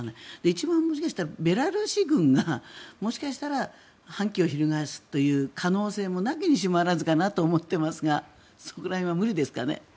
一番もしかしたらベラルーシ軍が反旗を翻すという可能性も無きにしも非ずかと思っていますがそれは無理ですかね。